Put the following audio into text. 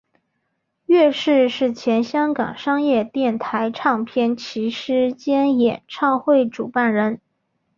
乐仕是前香港商业电台唱片骑师兼演唱会主办人。